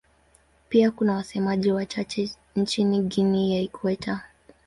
Pia kuna wasemaji wachache nchini Guinea ya Ikweta.